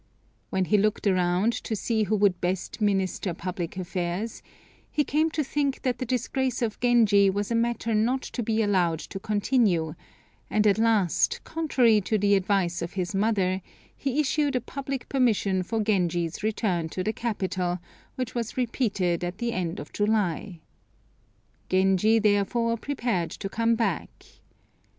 When he looked around to see who would best minister public affairs, he came to think that the disgrace of Genji was a matter not to be allowed to continue, and at last, contrary to the advice of his mother, he issued a public permission for Genji's return to the capital, which was repeated at the end of July. Genji therefore prepared to come back.